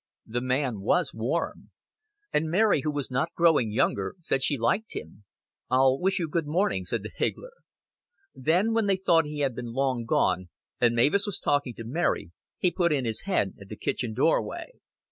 The man was warm; and Mary, who was not growing younger, said she liked him. "I'll wish you good morning," said the higgler. Then, when they thought he had been long gone and Mavis was talking to Mary, he put in his head at the kitchen doorway.